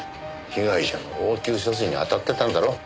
被害者の応急処置にあたってたんだろう。